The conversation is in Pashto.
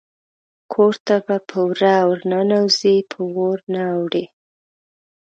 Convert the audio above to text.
کور ته په وره ورننوزي په ور نه اوړي